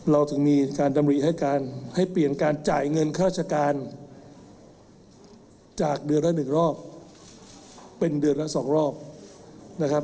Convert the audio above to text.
เราถึงมีการดำริให้การให้เปลี่ยนการจ่ายเงินค่าราชการจากเดือนละ๑รอบเป็นเดือนละ๒รอบนะครับ